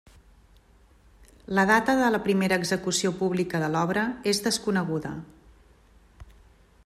La data de la primera execució pública de l'obra és desconeguda.